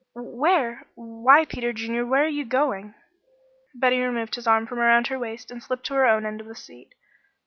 "Where? why Peter Junior! Where are you going?" Betty removed his arm from around her waist and slipped to her own end of the seat.